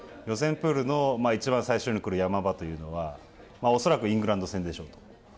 プールのいちばん最初に来る山場というのは恐らくイングランド戦でしょうと。